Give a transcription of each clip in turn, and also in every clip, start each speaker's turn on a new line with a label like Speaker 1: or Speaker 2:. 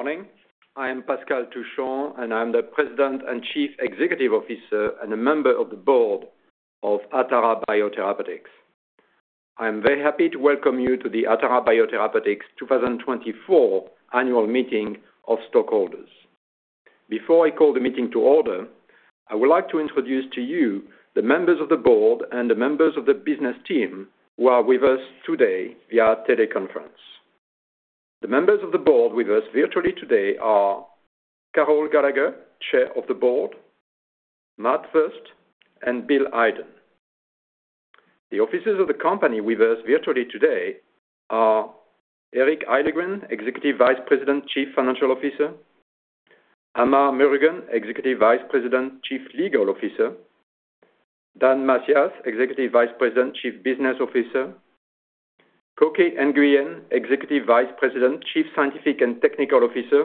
Speaker 1: Good morning. I am Pascal Touchon, and I'm the President and Chief Executive Officer, and a member of the board of Atara Biotherapeutics. I am very happy to welcome you to the Atara Biotherapeutics 2024 Annual Meeting of Stockholders. Before I call the meeting to order, I would like to introduce to you the members of the board and the members of the business team who are with us today via teleconference. The members of the board with us virtually today are Carol Gallagher, Chair of the Board, Matthew Fust, and William Heiden. The officers of the company with us virtually today are Eric Hyllengren, Executive Vice President, Chief Financial Officer, Amar Murugan, Executive Vice President, Chief Legal Officer, Dan Matias, Executive Vice President, Chief Business Officer, Cokey Nguyen, Executive Vice President, Chief Scientific and Technical Officer,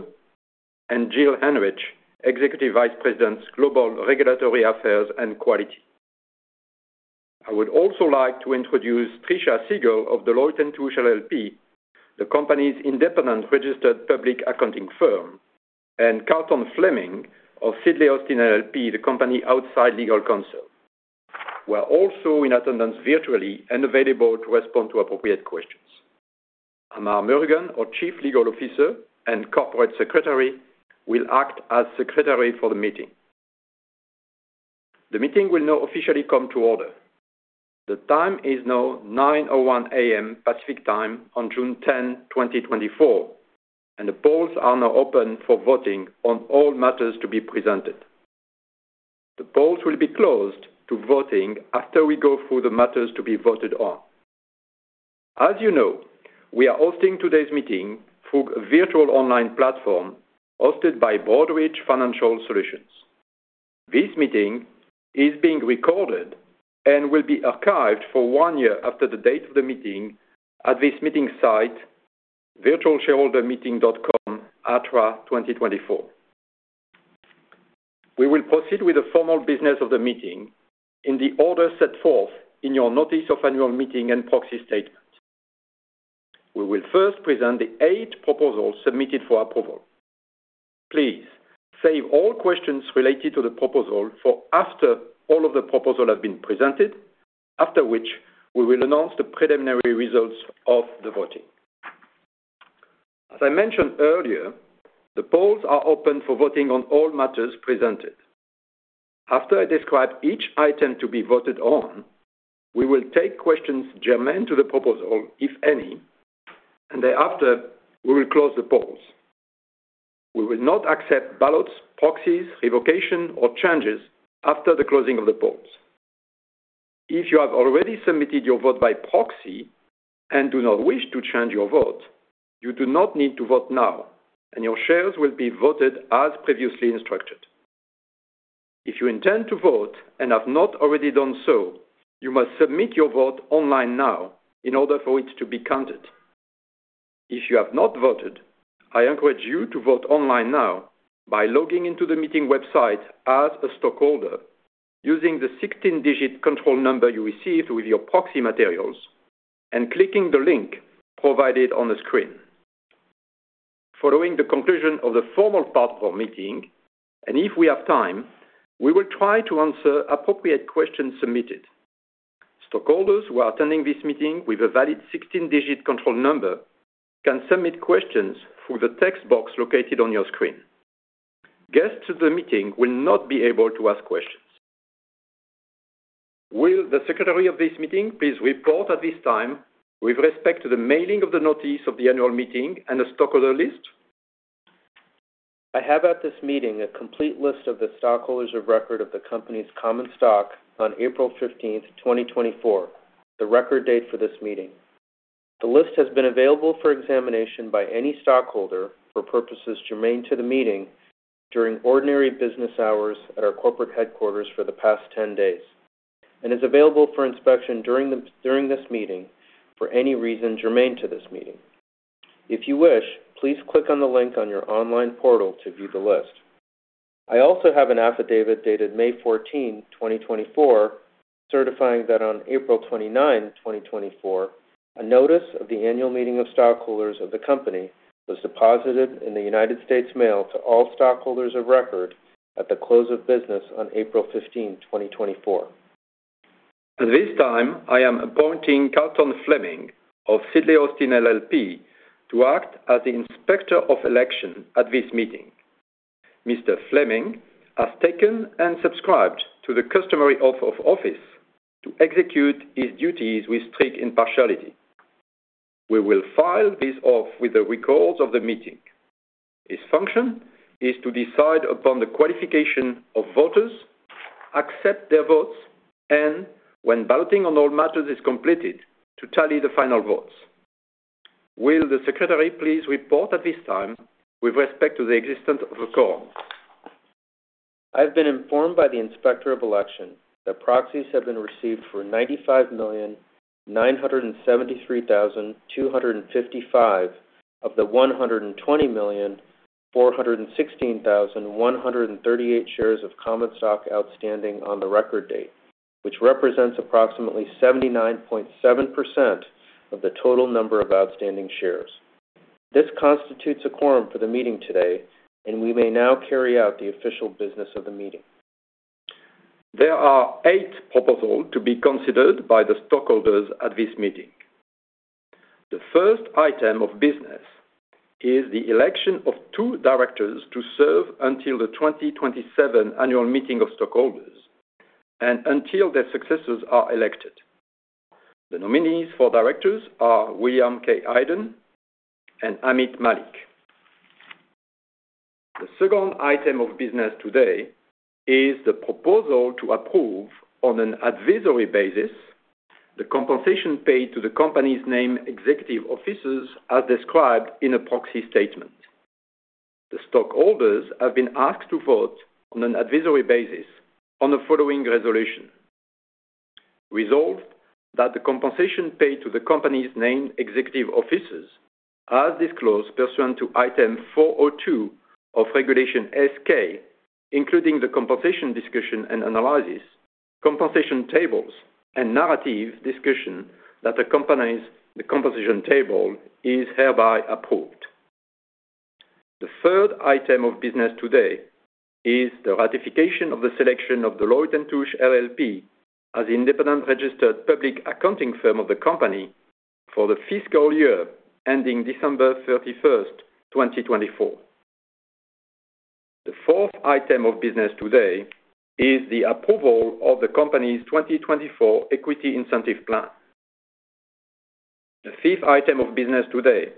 Speaker 1: and Jill Henrich, Executive Vice President, Global Regulatory Affairs and Quality. I would also like to introduce Tricia Siegel of Deloitte & Touche LLP, the company's independent registered public accounting firm, and Carlton Fleming of Sidley Austin LLP, the company outside legal counsel, who are also in attendance virtually and available to respond to appropriate questions. Amar Murugan, our Chief Legal Officer and Corporate Secretary, will act as secretary for the meeting. The meeting will now officially come to order. The time is now 9:00 A.M. Pacific Time on June 10, 2024, and the polls are now open for voting on all matters to be presented. The polls will be closed to voting after we go through the matters to be voted on. As you know, we are hosting today's meeting through a virtual online platform hosted by Broadridge Financial Solutions. This meeting is being recorded and will be archived for one year after the date of the meeting at this meeting site, virtualshareholdermeeting.com/Atara2024. We will proceed with the formal business of the meeting in the order set forth in your notice of annual meeting and proxy statement. We will first present the 8 proposals submitted for approval. Please, save all questions related to the proposal for after all of the proposals have been presented, after which we will announce the preliminary results of the voting. As I mentioned earlier, the polls are open for voting on all matters presented. After I describe each item to be voted on, we will take questions germane to the proposal, if any, and thereafter, we will close the polls. We will not accept ballots, proxies, revocation, or changes after the closing of the polls. If you have already submitted your vote by proxy and do not wish to change your vote, you do not need to vote now, and your shares will be voted as previously instructed. If you intend to vote and have not already done so, you must submit your vote online now in order for it to be counted. If you have not voted, I encourage you to vote online now by logging into the meeting website as a stockholder, using the 16-digit control number you received with your proxy materials and clicking the link provided on the screen. Following the conclusion of the formal part of our meeting, and if we have time, we will try to answer appropriate questions submitted. Stockholders who are attending this meeting with a valid 16-digit control number can submit questions through the text box located on your screen. Guests to the meeting will not be able to ask questions. Will the secretary of this meeting please report at this time with respect to the mailing of the notice of the annual meeting and the stockholder list?
Speaker 2: I have at this meeting a complete list of the stockholders of record of the company's common stock on April 15, 2024, the record date for this meeting. The list has been available for examination by any stockholder, for purposes germane to the meeting, during ordinary business hours at our corporate headquarters for the past 10 days, and is available for inspection during this meeting for any reason germane to this meeting. If you wish, please click on the link on your online portal to view the list. I also have an affidavit dated May 14, 2024, certifying that on April 29, 2024, a notice of the annual meeting of stockholders of the company was deposited in the United States Mail to all stockholders of record at the close of business on April 15, 2024.
Speaker 1: At this time, I am appointing Carlton Fleming of Sidley Austin LLP to act as the Inspector of Election at this meeting. Mr. Fleming has taken and subscribed to the customary oath of office to execute his duties with strict impartiality. We will file this oath with the records of the meeting. His function is to decide upon the qualification of voters, accept their votes, and when balloting on all matters is completed, to tally the final votes. Will the secretary please report at this time with respect to the existence of a quorum?
Speaker 2: I've been informed by the Inspector of Election that proxies have been received for 95,973,255 of the 120,416,138 shares of common stock outstanding on the record date, which represents approximately 79.7% of the total number of outstanding shares. This constitutes a quorum for the meeting today, and we may now carry out the official business of the meeting.
Speaker 1: There are eight proposals to be considered by the stockholders at this meeting. The first item of business is the election of two directors to serve until the 2027 annual meeting of stockholders, and until their successors are elected. The nominees for directors are William K. Heiden and Ameet Mallik. The second item of business today is the proposal to approve, on an advisory basis, the compensation paid to the company's named executive officers as described in a proxy statement. The stockholders have been asked to vote on an advisory basis on the following resolution: Resolved that the compensation paid to the company's named executive officers, as disclosed pursuant to Item 402 of Regulation S-K, including the compensation discussion and analysis, compensation tables, and narrative discussion that accompanies the compensation table, is hereby approved. The third item of business today is the ratification of the selection of Deloitte & Touche LLP as independent registered public accounting firm of the company for the fiscal year ending December 31, 2024. The fourth item of business today is the approval of the company's 2024 Equity Incentive Plan. The fifth item of business today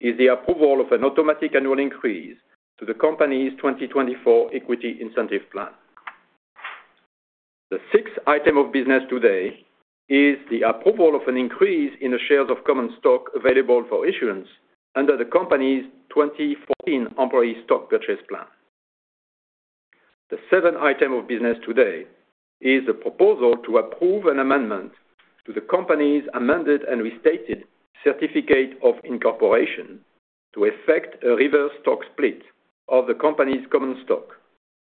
Speaker 1: is the approval of an automatic annual increase to the company's 2024 Equity Incentive Plan. The sixth item of business today is the approval of an increase in the shares of common stock available for issuance under the company's 2014 Employee Stock Purchase Plan. The seventh item of business today is a proposal to approve an amendment to the company's amended and restated certificate of incorporation to effect a reverse stock split of the company's common stock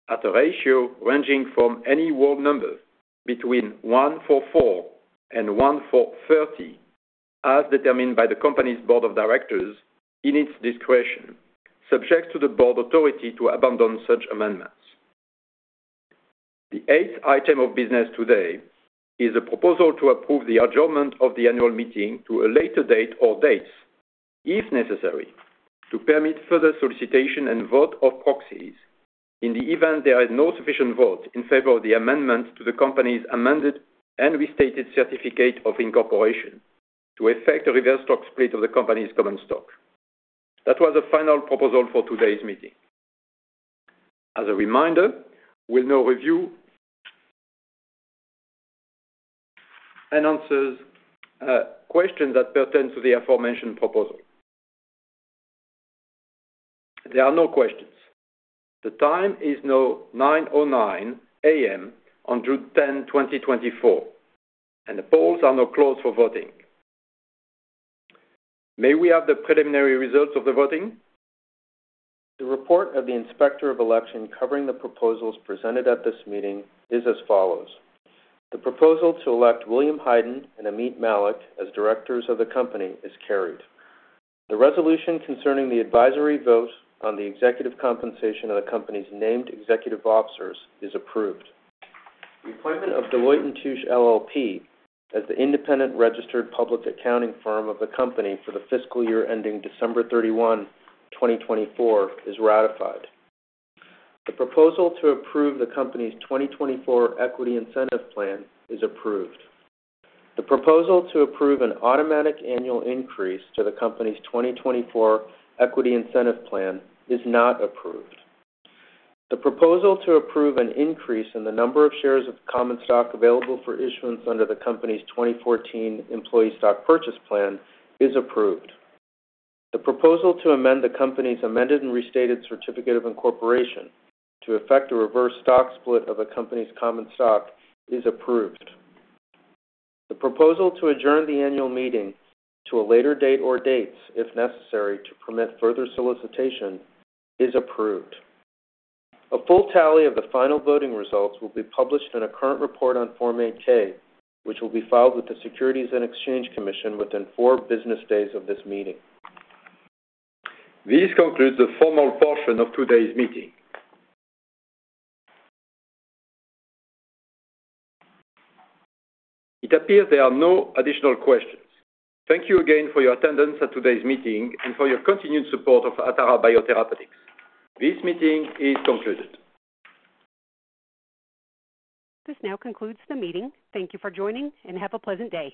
Speaker 1: at a ratio ranging from any whole number between 1-for-4 and 1-for-30, as determined by the company's board of directors in its discretion, subject to the board authority to abandon such amendments. The eighth item of business today is a proposal to approve the adjournment of the annual meeting to a later date or dates, if necessary, to permit further solicitation and vote of proxies in the event there is no sufficient vote in favor of the amendment to the company's amended and restated certificate of incorporation to effect a reverse stock split of the company's common stock. That was the final proposal for today's meeting. As a reminder, we'll now review and answers questions that pertain to the aforementioned proposal. There are no questions. The time is now 9:09 A.M. on June 10, 2024, and the polls are now closed for voting. May we have the preliminary results of the voting?
Speaker 2: The report of the inspector of election covering the proposals presented at this meeting is as follows: The proposal to elect William Heiden and Ameet Mallik as directors of the company is carried. The resolution concerning the advisory vote on the executive compensation of the company's named executive officers is approved. The appointment of Deloitte & Touche LLP as the independent registered public accounting firm of the company for the fiscal year ending December 31, 2024, is ratified. The proposal to approve the company's 2024 equity incentive plan is approved. The proposal to approve an automatic annual increase to the company's 2024 equity incentive plan is not approved. The proposal to approve an increase in the number of shares of common stock available for issuance under the company's 2014 employee stock purchase plan is approved. The proposal to amend the company's amended and restated certificate of incorporation to effect a reverse stock split of the company's common stock is approved. The proposal to adjourn the annual meeting to a later date or dates, if necessary, to permit further solicitation, is approved. A full tally of the final voting results will be published in a current report on Form 8-K, which will be filed with the Securities and Exchange Commission within 4 business days of this meeting.
Speaker 1: This concludes the formal portion of today's meeting. It appears there are no additional questions. Thank you again for your attendance at today's meeting and for your continued support of Atara Biotherapeutics. This meeting is concluded.
Speaker 3: This now concludes the meeting. Thank you for joining, and have a pleasant day.